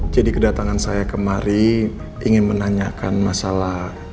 jadi kedatangan saya kemari ingin menanyakan masalah